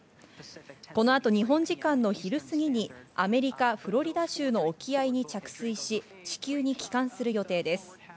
この後、日本時間の昼過ぎにアメリカ・フロリダ州の沖合に着水し、地球に帰還する予定です。